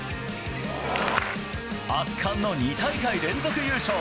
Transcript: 圧巻の２大会連続優勝。